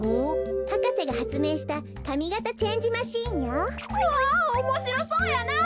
博士がはつめいしたかみがたチェンジマシンよ。わおもしろそうやな！